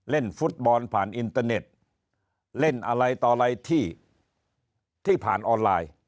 เล่นฟุตบอลผ่านอินเตอร์เน็ตเล่นอะไรต่ออะไรที่ผ่านออนไลน์